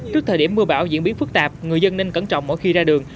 trước thời điểm mưa bão diễn biến phức tạp người dân nên cẩn trọng mỗi khi ra đường